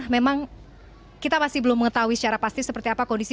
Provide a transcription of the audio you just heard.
memang kita masih belum mengetahui secara pasti seperti apa kondisi